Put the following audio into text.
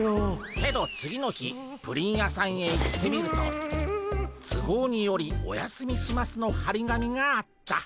けど次の日プリン屋さんへ行ってみると「つごうによりお休みします」のはり紙があった。